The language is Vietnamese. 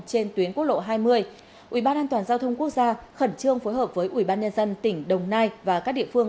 trên tuyến quốc lộ hai mươi ubnd giao thông quốc gia khẩn trương phối hợp với ubnd tỉnh đồng nai và các địa phương